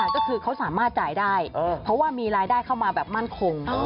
ก็คือเขาสามารถจ่ายได้เพราะว่ามีรายได้เข้ามาแบบมั่นคง